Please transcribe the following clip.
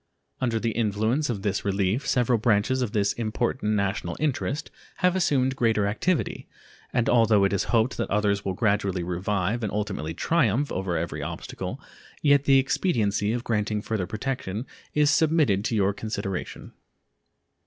Under the influence of this relief several branches of this important national interest have assumed greater activity, and although it is hoped that others will gradually revive and ultimately triumph over every obstacle, yet the expediency of granting further protection is submitted to your consideration.